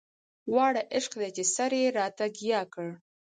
واړه عشق دی چې يې سر راته ګياه کړ